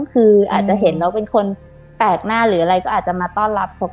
คืออาจจะเห็นแล้วเป็นคนแปลกหน้าหรืออะไรก็อาจจะมาต้อนรับเขา